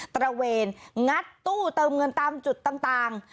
ตระเวนงัดตู้เติมเงินตามจุดต่าง